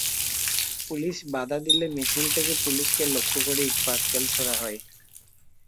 Police বাধা দিলে মিছিল থেকে পুলিশকে লক্ষ্য করে ইটপাটকেল ছোড়া হয়।